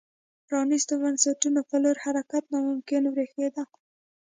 پرانیستو بنسټونو په لور حرکت ناممکن برېښېده.